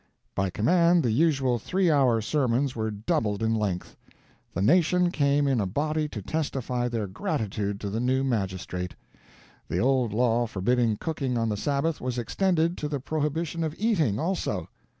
By command, the usual three hour sermons were doubled in length. The nation came in a body to testify their gratitude to the new magistrate. The old law forbidding cooking on the Sabbath was extended to the prohibition of eating, also.